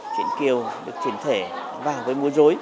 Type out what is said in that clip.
chuyển kiều được chuyển thể vào với mua dối